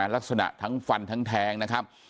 ลักษณะทั้งฟันทั้งแทงนะครับ